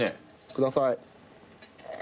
ください。